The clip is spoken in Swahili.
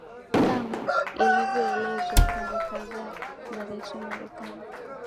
kama ilivyoelezwa mara kadhaa na rais wa marekani